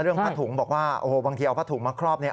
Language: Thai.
เรื่องผัดถุงบอกว่าบางทีเอาผัดถุงมาครอบเนี่ย